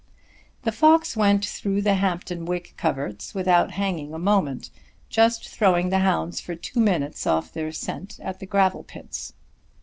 The fox went through the Hampton Wick coverts without hanging a moment, just throwing the hounds for two minutes off their scent at the gravel pits.